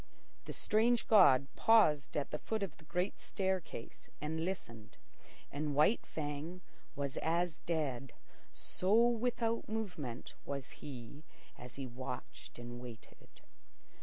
The strange god paused at the foot of the great staircase and listened, and White Fang was as dead, so without movement was he as he watched and waited.